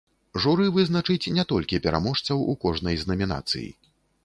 Журы вызначыць не толькі пераможцаў у кожнай з намінацый.